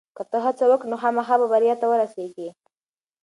که ته هڅه وکړې نو خامخا به بریا ته ورسېږې.